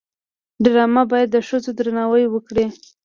ډرامه باید د ښځو درناوی وکړي